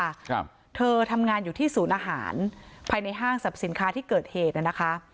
ครับเธอทำงานอยู่ที่ศูนย์อาหารภายในห้างสรรพสินค้าที่เกิดเหตุน่ะนะคะ